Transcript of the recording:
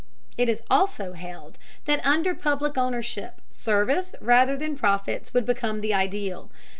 It is also held that under public ownership service rather than profits would become the ideal.